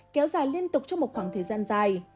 kéo dài liên tục trong một khoảng thời gian dài